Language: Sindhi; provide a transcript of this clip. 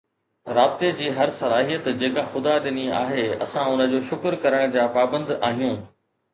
رابطي جي هر صلاحيت جيڪا خدا ڏني آهي، اسان ان جو شڪر ڪرڻ جا پابند آهيون.